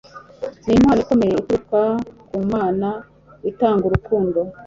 nimpano ikomeye ituruka ku mana itanga urukundo